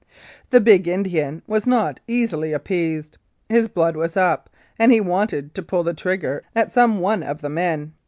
The big Indian was not easily appeased. His blood was up, and he wanted to pull the trigger at some one of the men.